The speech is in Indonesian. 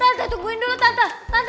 tante tungguin dulu tante